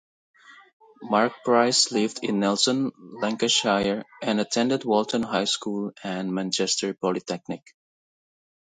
Mark Price lived in Nelson, Lancashire and attended Walton High School and Manchester Polytechnic.